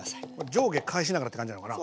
上下返しながらって感じなのかな？